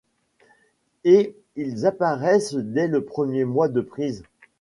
Et ils apparaissent dès le premier mois de prise.